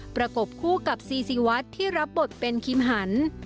ประกบคู่กับซีซีวัดที่รับบทเป็นคิมหัน